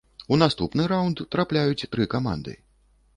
У наступны раўнд трапляюць тры каманды.